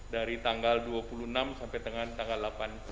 dari tanggal dua puluh enam sampai dengan tanggal delapan